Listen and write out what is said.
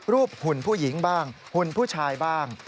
หุ่นผู้หญิงบ้างหุ่นผู้ชายบ้าง